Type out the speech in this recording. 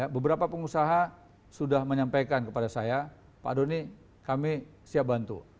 beberapa pengusaha sudah menyampaikan kepada saya pak doni kami siap bantu